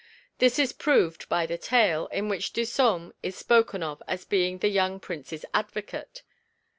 This is proved by the tale, in which Disome is spoken of as being the young prince's advocate.